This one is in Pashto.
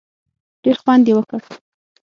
ډېر خوند یې وکړ.